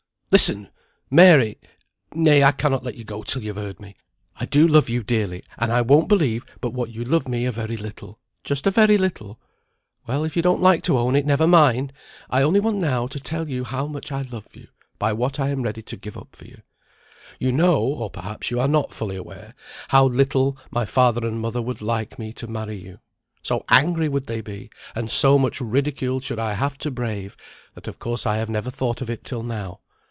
"Listen! Mary. Nay, I cannot let you go till you have heard me. I do love you dearly; and I won't believe but what you love me a very little, just a very little. Well, if you don't like to own it, never mind! I only want now to tell you how much I love you, by what I am ready to give up for you. You know (or perhaps you are not fully aware) how little my father and mother would like me to marry you. So angry would they be, and so much ridicule should I have to brave, that of course I have never thought of it till now.